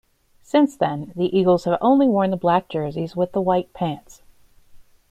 Since then, the Eagles have only worn the black jerseys with the white pants.